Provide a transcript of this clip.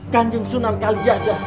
kanjeng sunal kali jaga